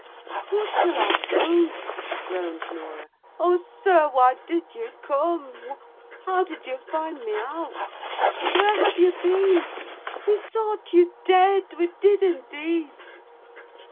"What shall I do?" groaned Norah. "O, sir! why did you come? how did you find me out? where have you been? We thought you dead, we did, indeed!"